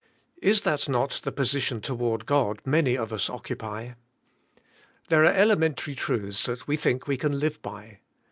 Is that not the position toward God many of us oc cupy. There are elementary truths that we think we can live by.